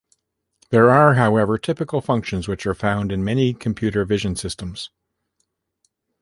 There are, however, typical functions which are found in many computer vision systems.